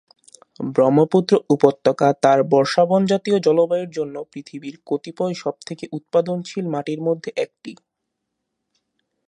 ব্রহ্মপুত্র উপত্যকা তার বর্ষাবন-জাতীয় জলবায়ুর জন্য পৃথিবীর কতিপয় সবথেকে উৎপাদনশীল মাটির মধ্যে একটি।